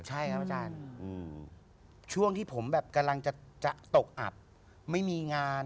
ใช่ครับอาจารย์ช่วงที่ผมแบบกำลังจะตกอับไม่มีงาน